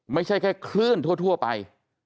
ไม่ใช่แค่คลื่นทั่วไป